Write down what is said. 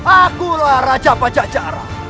akulah raja pajajaran